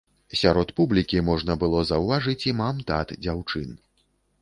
Сярод публікі можна было заўважыць і мам-тат дзяўчын.